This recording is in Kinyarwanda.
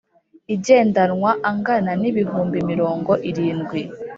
igendanwa angana n ibihumbi mirongo irindwi